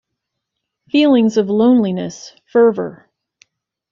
Feelings of loneliness, fervor.